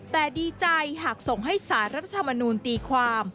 แต่ดีใจหากส่งให้สารรัฐธรรมนูลตีความ